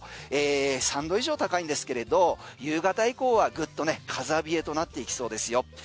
３度以上高いんですけれど夕方以降はぐっと風冷えとなっていきそうですよ。